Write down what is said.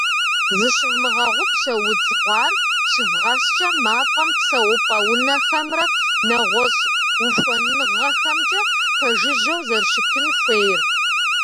Зыщывмыгъэгъупщэ, удз гъуар щывгъэскӏэ мафӏэм псэупӏэ унэхэмрэ нэгъуэщӏ ухуэныгъэхэмкӏэ пэжыжьэу зэрыщытын хуейр.